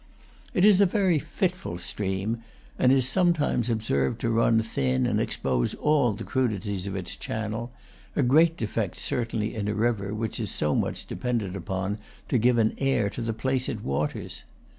It is a very fit ful stream, and is sometimes observed to run thin and expose all the crudities of its channel, a great defect certainly in a river which is so much depended upon to give an air to the places it waters.